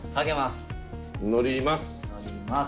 乗ります。